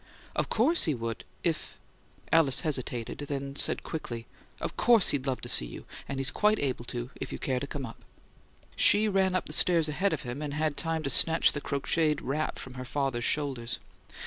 "Of course he would if " Alice hesitated; then said quickly, "Of course he'd love to see you and he's quite able to, if you care to come up." She ran up the stairs ahead of him, and had time to snatch the crocheted wrap from her father's shoulders.